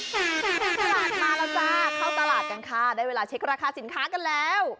ตลาดมาแล้วจ้าเข้าตลาดกันค่ะได้เวลาเช็คราคาสินค้ากันแล้ว